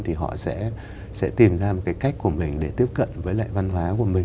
thì họ sẽ tìm ra một cái cách của mình để tiếp cận với lại văn hóa của mình